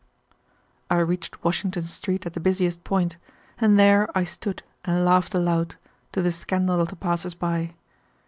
I reached Washington Street at the busiest point, and there I stood and laughed aloud, to the scandal of the passers by.